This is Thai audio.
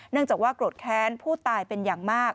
จากว่าโกรธแค้นผู้ตายเป็นอย่างมาก